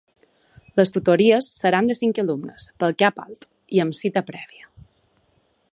Les tutories seran de cinc alumnes, pel cap alt, i amb cita prèvia.